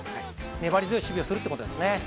粘り強い守備をするということですね。